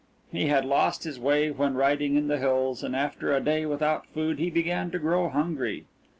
He had lost his way when riding in the hills, and after a day without food he began to grow hungry.